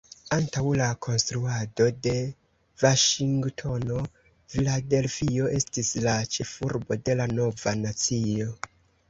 Antaŭ la konstruado de Vaŝingtono, Filadelfio estis la ĉefurbo de la nova nacio.